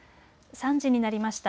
３時になりました。